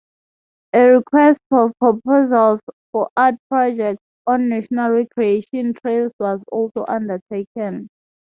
A Request for Proposals for art projects on National Recreation Trails was also undertaken.